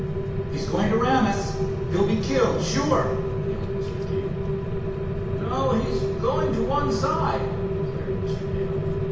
"He's going to ram us—he'll be killed, sure!" yelled Mr. King. "No, he's going to one side," declared Mr. Dale.